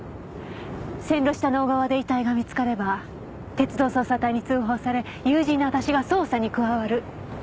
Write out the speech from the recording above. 線路下の小川で遺体が見つかれば鉄道捜査隊に通報され友人の私が捜査に加わる。